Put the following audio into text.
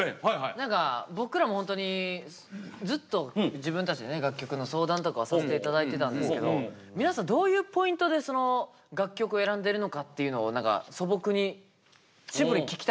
何か僕らもホントにずっと自分たちでね楽曲の相談とかをさせて頂いてたんですけど皆さんどういうポイントで楽曲を選んでるのかっていうのを何か素朴に聞きたくて何かありますか？